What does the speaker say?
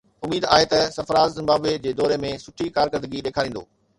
اميد آهي ته سرفراز زمبابوي جي دوري ۾ سٺي ڪارڪردگي ڏيکاريندو